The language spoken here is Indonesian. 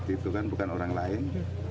itu kan bukan orang lain